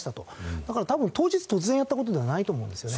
だから多分当日突然やった事ではないと思うんですよね。